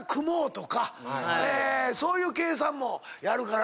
そういう計算もやるからな皆。